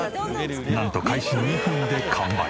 なんと開始２分で完売。